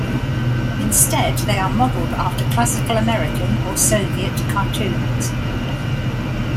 Instead, they are modeled after classical American or Soviet cartoons.